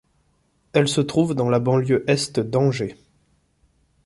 Elle se trouve dans la banlieue Est d'Angers.